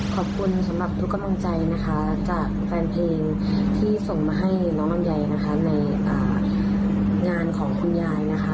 ขอบคุณสำหรับทุกกำลังใจนะคะจากแฟนเพลงที่ส่งมาให้น้องลำไยนะคะในงานของคุณยายนะคะ